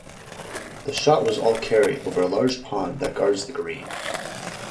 The shot was all carry over a large pond that guards the green.